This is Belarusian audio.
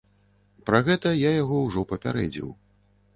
Пра гэта я яго ўжо папярэдзіў.